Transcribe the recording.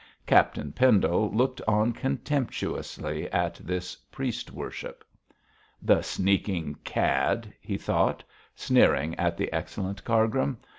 Captain Pendle looked on contemptuously at this priest worship. 'The sneaking cad!' he thought, sneering at the excellent Cargrim.